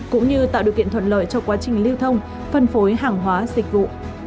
cũng như tạo điều kiện thuận lợi cho quá trình lưu thông phân phối hàng hóa dịch vụ